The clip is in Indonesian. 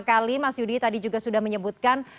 kali mas yudi tadi juga sudah menyebutkan